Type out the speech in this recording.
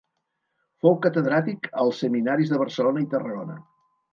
Fou catedràtic als seminaris de Barcelona i Tarragona.